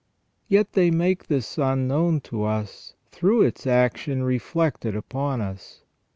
Yet they make the sun known to us through its action reflected upon us.